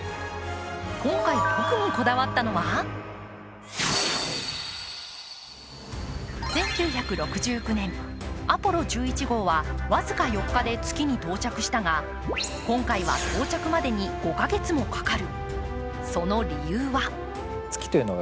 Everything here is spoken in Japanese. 今回特にこだわったのは１９６９年、アポロ１１号は僅か４日で月に到着したが今回は到着までに５か月もかかる。